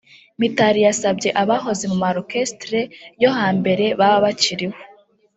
Mitali yasabye abahoze mu ma Orchestres yo hambere baba bakiriho